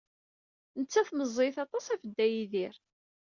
Nettat meẓẓiyet aṭas ɣef Dda Yidir.